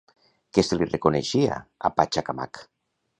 Què se li reconeixia a Pachacamac?